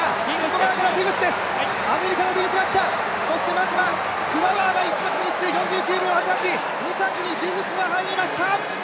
まずはクラバーが１着フィニッシュ４９秒８８２着にディグスが入りました。